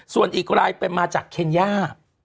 ส่วนอีกรายเป็นมาจากเคนย่า